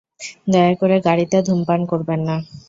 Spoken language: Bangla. দয়া করে, গাড়িতে ধূমপান করবেন না।